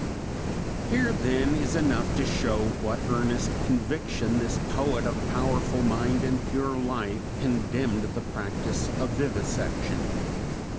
'" Here then is enough to show with what earnest conviction this poet of powerful mind and pure life condemned the practice of vivisection.